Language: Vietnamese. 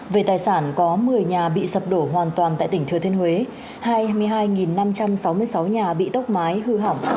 về tài sản có một mươi nhà bị sập đổ hoàn toàn tại tỉnh thừa thiên huế hai mươi hai năm trăm sáu mươi sáu nhà bị tốc mái hư hỏng